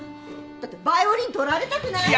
だってバイオリン取られたくないんでしょ？